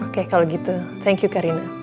oke kalau gitu thank you karina